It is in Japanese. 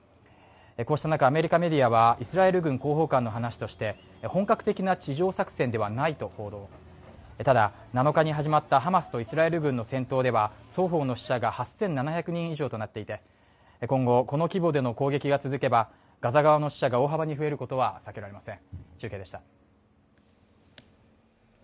こうした中、アメリカメディアはイスラエル軍広報官の話として本格的な地上作戦ではないと話してただ、７日に始まったハマスとイスラエル軍の戦闘では双方の死者が８７００人以上となっていて、今後、この規模での攻撃が続けばガザ地区での死者が大幅に増えることは避けられません。